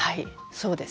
そうです。